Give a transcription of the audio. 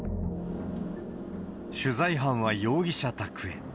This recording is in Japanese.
取材班は容疑者宅へ。